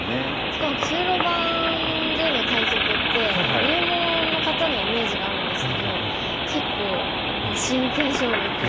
しかも９路盤での対局って入門の方のイメージがあるんですけど結構真剣勝負っていった感じで。